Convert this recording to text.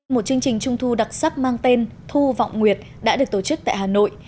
một chương trình trung thu đặc sắc mang tên thu vọng nguyệt đã được tổ chức tại hà nội